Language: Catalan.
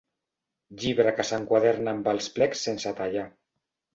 Llibre que s'enquaderna amb els plecs sense tallar.